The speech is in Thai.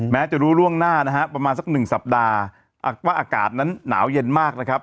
แม้จะรู้ล่วงหน้านะฮะประมาณสักหนึ่งสัปดาห์ว่าอากาศนั้นหนาวเย็นมากนะครับ